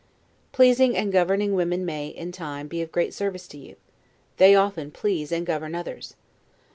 Pleasing and governing women may, in time, be of great service to you. They often please and govern others.